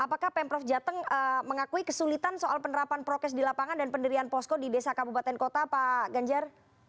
apakah pemprov jateng mengakui kesulitan soal penerapan prokes di lapangan dan pendirian posko di desa kabupaten kota pak ganjar